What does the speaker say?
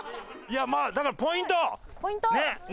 いやまあだからポイントねえ。